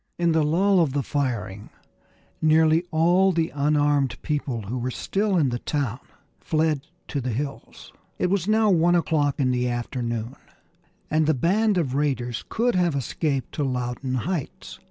In the lull of the firing nearly all the unarmed people who were still in the town fled to the hills. It was now one o'clock in the afternoon, and the band of raiders could have escaped to Loudoun Heights.